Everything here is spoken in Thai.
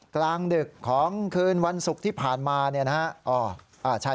กลางดึกของคืนวันศุกร์ที่ผ่านมาเนี่ยนะฮะ